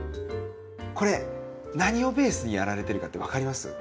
これ何をベースにやられてるかって分かります？